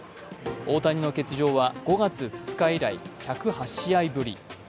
大谷の欠場は５月２０日以来、１０８試合ぶり。